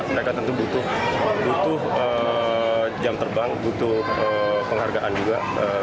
mereka tentu butuh jam terbang butuh penghargaan juga